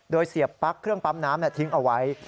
โดยเสียบปั๊กเครื่องปั๊มน้ำทิ้งเอาไว้